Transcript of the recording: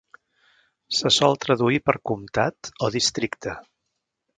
Se sol traduir per "comtat" o "districte".